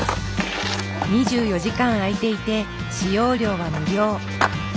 ２４時間開いていて使用料は無料。